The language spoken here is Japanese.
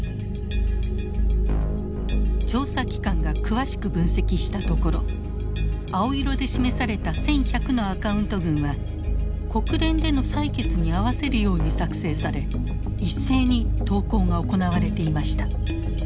調査機関が詳しく分析したところ青色で示された１，１００のアカウント群は国連での採決に合わせるように作成され一斉に投稿が行われていました。